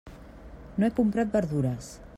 No he comprat verdures.